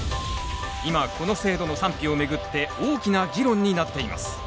今この制度の賛否をめぐって大きな議論になっています。